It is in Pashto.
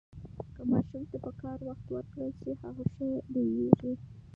که ماشوم ته پکار وخت ورکړل شي، هغه ښه لوییږي.